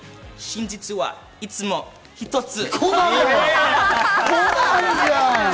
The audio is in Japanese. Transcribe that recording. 真実はいつも一つ！